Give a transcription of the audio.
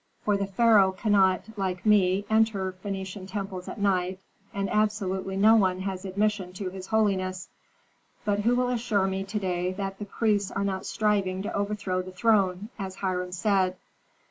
For the pharaoh cannot, like me, enter Phœnician temples at night, and absolutely no one has admission to his holiness. "But who will assure me to day that the priests are not striving to overthrow the throne, as Hiram said?